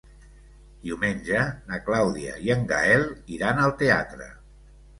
Diumenge na Clàudia i en Gaël iran al teatre.